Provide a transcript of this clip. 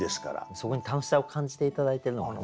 そこに楽しさを感じて頂いてるのがね。